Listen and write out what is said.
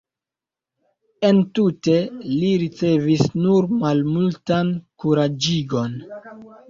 Entute li ricevis nur malmultan kuraĝigon.